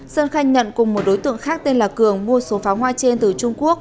sơn khai nhận cùng một đối tượng khác tên là cường mua số pháo hoa trên từ trung quốc